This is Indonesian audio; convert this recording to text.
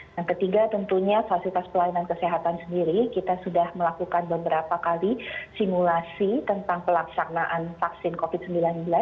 yang ketiga tentunya fasilitas pelayanan kesehatan sendiri kita sudah melakukan beberapa kali simulasi tentang pelaksanaan vaksin covid sembilan belas